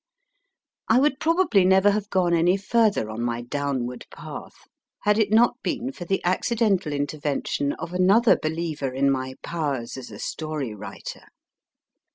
I would probably never have gone any further on my GRANT ALLEN 49 downward path had it not been for the accidental intervention of another believer in my powers as a story writer.